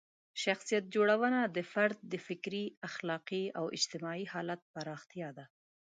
شخصیت جوړونه د فرد د فکري، اخلاقي او اجتماعي حالت پراختیا ده.